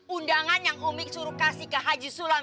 undangan yang umi suruh kasih ke haji sulam